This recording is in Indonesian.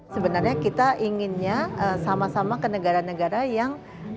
sebenarnya kita inginnya sama sama ke negara negara yang